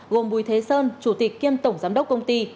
gồm bùi thế sơn chủ tịch kiêm tổng giám đốc công ty